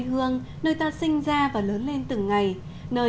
giống như là nhà hai của anh